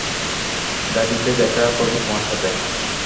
গাড়িতে দেখা করবো তোমার সাথে।